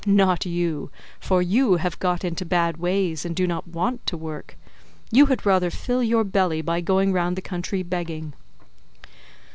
Not you; for you have got into bad ways, and do not want to work; you had rather fill your belly by going round the country begging."